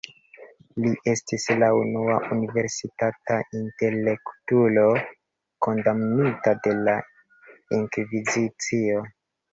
Li estis la unua universitata intelektulo kondamnita de la Inkvizicio.